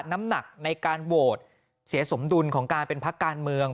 น้ำหนักในการโหวตเสียสมดุลของการเป็นพักการเมือง